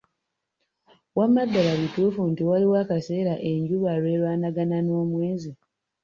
Wamma ddala bituufu nti waliwo akaseera enjuba lwelwanagana n'omwezi?